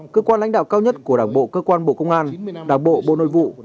cơ quan lãnh đạo cao nhất của đảng bộ cơ quan bộ công an đảng bộ bộ nội vụ